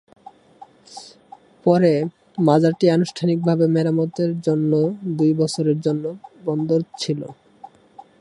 পরে, মাজারটি আনুষ্ঠানিকভাবে মেরামতের জন্য দুই বছরের জন্য বন্ধ ছিল।